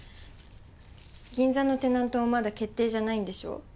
銀座のテナントもまだ決定じゃないんでしょ？